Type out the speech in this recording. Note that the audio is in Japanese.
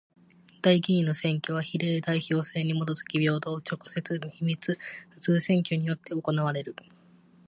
代議員の選挙は比例代表制にもとづき平等、直接、秘密、普通選挙によって行われる。